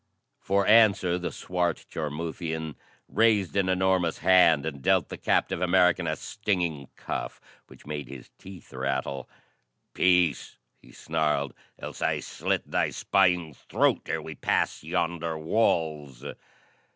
For answer, the swart Jarmuthian raised an enormous hand and dealt the captive American a stinging cuff which made his teeth rattle. "Peace!" he snarled. "Else I slit thy spying throat ere we pass yonder walls."